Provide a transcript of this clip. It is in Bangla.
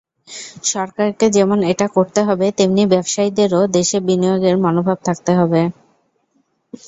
সরকারকে যেমন এটা করতে হবে, তেমনি ব্যবসায়ীদেরও দেশে বিনিয়োগের মনোভাব থাকতে হবে।